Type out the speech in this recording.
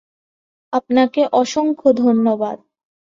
আপনাকে অসংখ্য ধন্যবাদ।